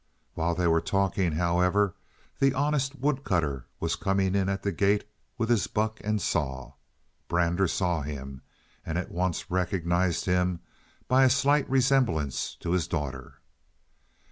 While they were talking, however, the honest woodcutter was coming in at the gate with his buck and saw. Brander saw him, and at once recognized him by a slight resemblance to his daughter.